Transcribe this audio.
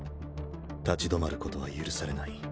立ち止まることは許されない。